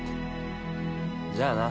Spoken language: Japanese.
じゃあな。